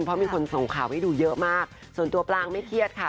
เพราะมีคนส่งข่าวให้ดูเยอะมากส่วนตัวปลางไม่เครียดค่ะ